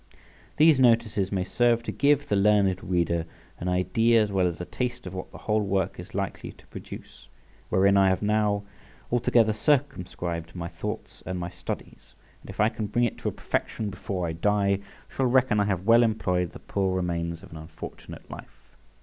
These notices may serve to give the learned reader an idea as well as a taste of what the whole work is likely to produce, wherein I have now altogether circumscribed my thoughts and my studies; and if I can bring it to a perfection before I die, shall reckon I have well employed the poor remains of an unfortunate life.